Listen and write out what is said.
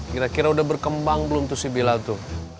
kira kira udah berkembang belum tuh si bila tuh